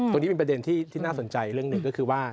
ตรงนี้เป็นประเด็นที่น่าสนใจเรื่องหนึ่งก็คือว่า